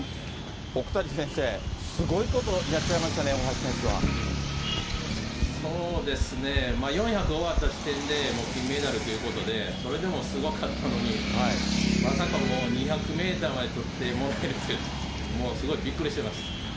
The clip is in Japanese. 奥谷先生、すごいこと、やっそうですね、４００終わった時点で、もう金メダルということで、それでもすごかったのに、まさか、もう２００メーターまでとってもらえるという、もうすごいびっくりしてます。